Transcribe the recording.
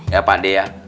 ya pak d ya